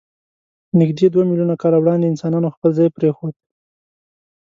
نږدې دوه میلیونه کاله وړاندې انسانانو خپل ځای پرېښود.